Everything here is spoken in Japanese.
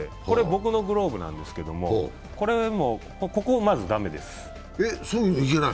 これ僕のグローブなんですけれども、ここまず駄目です。